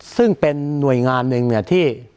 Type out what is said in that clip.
ซึ่งเป็นหน่วยงานหนึ่งเนี่ยที่